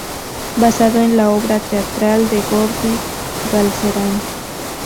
Basado en la obra teatral de Jordi Galcerán.